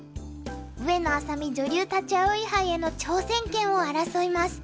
上野愛咲美女流立葵杯への挑戦権を争います。